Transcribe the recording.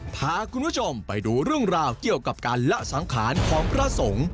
พาคุณผู้ชมไปดูเรื่องราวเกี่ยวกับการละสังขารของพระสงฆ์